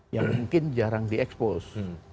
yang mungkin jarang di ekspos